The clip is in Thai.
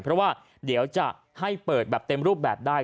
เพราะว่าเดี๋ยวจะให้เปิดแบบเต็มรูปแบบได้